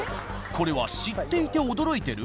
これは知っていて驚いてる？